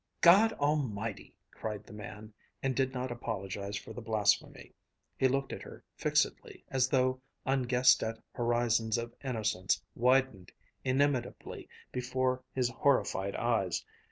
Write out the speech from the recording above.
"God Almighty!" cried the man, and did not apologize for the blasphemy. He looked at her fixedly, as though unguessed at horizons of innocence widened inimitably before his horrified eyes.